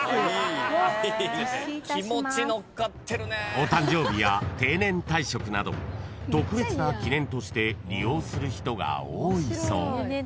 ［お誕生日や定年退職など特別な記念として利用する人が多いそう］